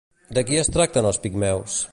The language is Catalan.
De qui es tracten els Pigmeus?